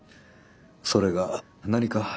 それが何か？